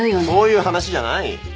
そういう話じゃない！